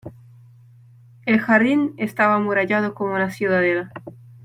el jardín estaba amurallado como una ciudadela.